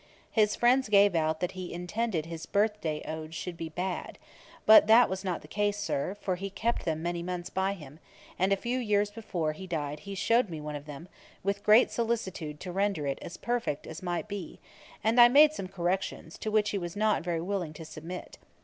His friends gave out that he intended his birth day Odes should be bad: but that was not the case, Sir; for he kept them many months by him, and a few years before he died he shewed me one of them, with great solicitude to render it as perfect as might be, and I made some corrections, to which he was not very willing to submit.